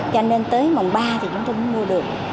cho nên tới mùng ba thì chúng tôi mới mua được